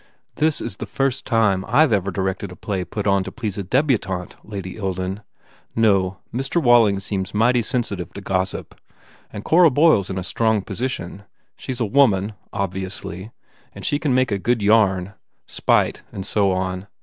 "This is the first time I ve ever directed a play put on to please a debutante, Lady Ilden. No, Mr. Walling seems mighty sen 229 THE FAIR REWARDS sitive to gossip. And Cora Boyle s in a strong position. She s a woman obviously and she can make a good yarn. Spite, and so on.